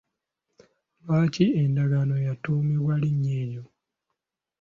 Lwaki endagaano yatuumibwa linnya eryo?